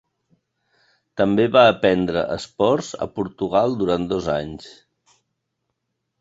També va aprendre esports a Portugal durant dos anys.